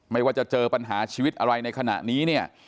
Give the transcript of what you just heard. ไม่ว่าจะเจอปัญหาชีวิตอะไรในขณะนี้เนี่ย